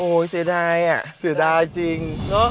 เสียดายอ่ะเสียดายจริง